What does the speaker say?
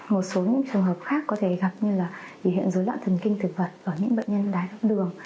một số những trường hợp khác có thể gặp như là biểu hiện dối loạn thần kinh thực vật ở những bệnh nhân đái tháo đường